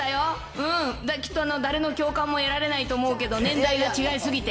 うん、きっと誰の共感も得られないと思うけど、年代が違いすぎて。